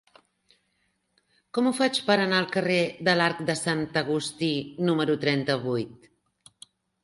Com ho faig per anar al carrer de l'Arc de Sant Agustí número trenta-vuit?